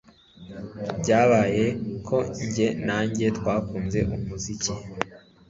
Byabaye ko njye na njye twakunze umuziki umwe